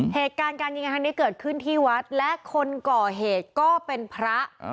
เหตุการณ์การยิงกันครั้งนี้เกิดขึ้นที่วัดและคนก่อเหตุก็เป็นพระ